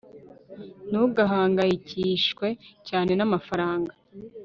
ntugahangayikishwe cyane namafaranga